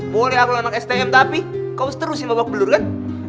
boleh aku lemak stm tapi kau harus terusin bawa pelur kan